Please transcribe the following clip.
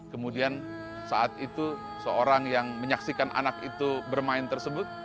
kemudian saat itu seorang yang menyaksikan anak itu bermain tersebut